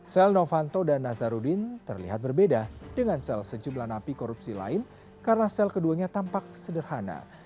sel novanto dan nazarudin terlihat berbeda dengan sel sejumlah napi korupsi lain karena sel keduanya tampak sederhana